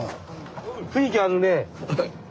雰囲気あるねえ。